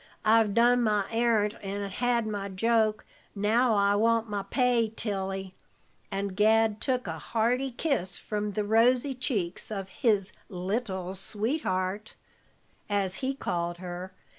I've done my arrant and had my joke; now I want my pay, Tilly," and Gad took a hearty kiss from the rosy cheeks of his "little sweetheart," as he called her.